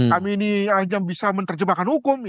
kami ini hanya bisa menerjemahkan hukum